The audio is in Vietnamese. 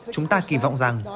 chúng ta kỳ vọng rằng